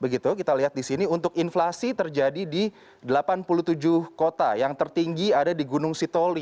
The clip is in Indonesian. begitu kita lihat di sini untuk inflasi terjadi di delapan puluh tujuh kota yang tertinggi ada di gunung sitoli